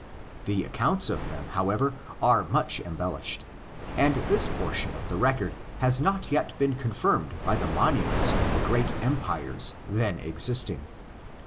The accounts of them, however, are much embellished; and this portion of the record has not yet been confirmed by the monuments of the great empires then existing.